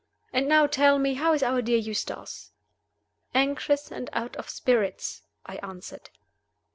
"And now, tell me, how is our dear Eustace?" "Anxious and out of spirits." I answered.